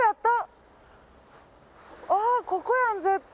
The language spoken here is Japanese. あぁここやん絶対。